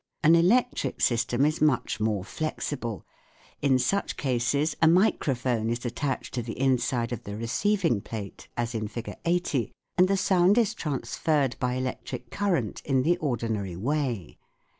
An electric system is much more flexible ; in such cases a microphone is attached to the inside of the receiving plate as in Fig. 80, and the sound is transferred 'by electric current in the ordinary way.